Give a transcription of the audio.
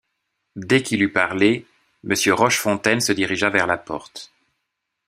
Dès qu’il eut parlé, Monsieur Rochefontaine se dirigea vers la porte.